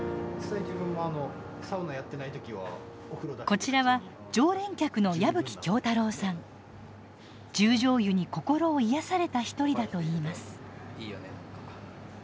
こちらは十條湯に心を癒やされた一人だといいます。